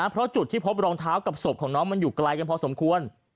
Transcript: เพราะจุดที่พบรองเท้ากับศพของน้องมันอยู่ไกลกันพอสมควร